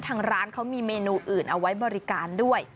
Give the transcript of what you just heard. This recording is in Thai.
ทางร้านเขามีเมนูอื่นเอาไว้บริการด้วย